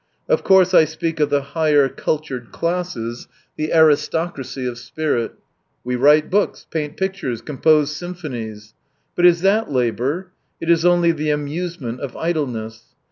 Of course I speak of the higher, cultured classes, the aristocracy of spirit— "We write books, paint pictures, compose symphonies "— But is that labour ? It is only the amusement of idleness.